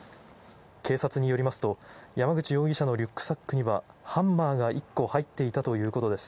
警察によりますと、山口容疑者のリュックサックにはハンマーが１個入っていたということです。